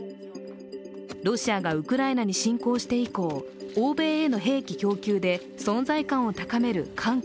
ロシアがウクライナに侵攻して以降欧米への兵器供給で存在感を高める韓国。